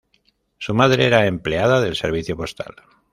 Su madre era empleada del servicio postal.